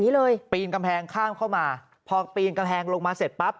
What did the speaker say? เลยปีนกำแพงข้ามเข้ามาพอปีนกำแพงลงมาเสร็จปั๊บ